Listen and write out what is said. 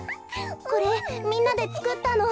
これみんなでつくったの。